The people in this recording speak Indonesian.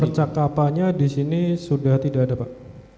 percakapannya disini sudah tidak ada pak